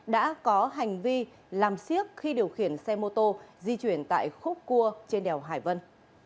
đã có hành vi làm siếc khi điều khiển xe mô tô di chuyển tại khúc cua trên đèo hải vân